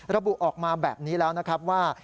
ระบุออกมาแบบนี้แล้วนะครับว่า